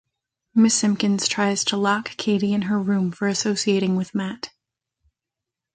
Miss Simpkins tries to lock Kate in her room for associating with Matt.